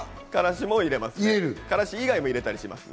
からしも入れます。